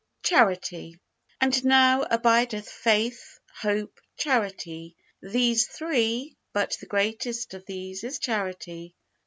CHARITY. And now abideth faith, hope, charity, these three; but the greatest of these is charity.